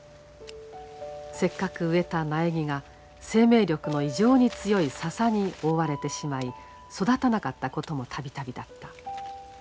せっかく植えた苗木が生命力の異常に強い笹に覆われてしまい育たなかったことも度々だった。